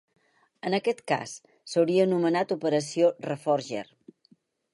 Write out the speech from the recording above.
En aquest cas, s'hauria anomenat Operació Reforger.